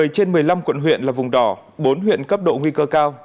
một mươi trên một mươi năm quận huyện là vùng đỏ bốn huyện cấp độ nguy cơ cao